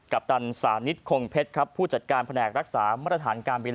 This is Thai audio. ปตันสานิทคงเพชรครับผู้จัดการแผนกรักษามาตรฐานการบิน